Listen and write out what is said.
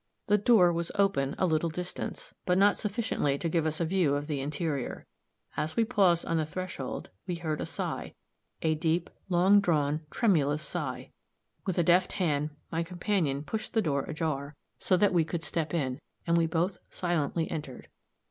The door was open a little distance, but not sufficiently to give us a view of the interior. As we paused on the threshold, we heard a sigh a deep, long drawn, tremulous sigh. With a deft hand my companion pushed the door ajar, so that we could step in, and we both silently entered.